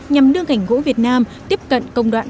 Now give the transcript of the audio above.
nhằm đưa ngành gỗ việt nam tiếp cận công đoạn